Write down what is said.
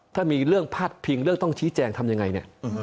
ถ้ามีเรื่องพาดพิงเรื่องต้องชี้แจงทำยังไงเนี่ย